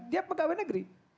dia pegawai negeri